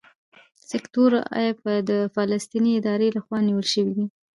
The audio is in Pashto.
سیکټور اې د فلسطیني ادارې لخوا نیول شوی دی.